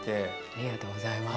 ありがとうございます。